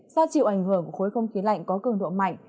gia triệu ảnh hưởng của khối không khí lạnh có cường độ mạnh